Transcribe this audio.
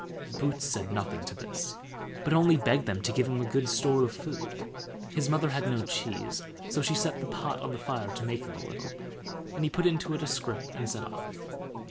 Boots said nothing to this, but only begged them to give him a good store of food. His mother had no cheese, so she set the pot on the fire to make him a little, and he put it into a scrip and set off.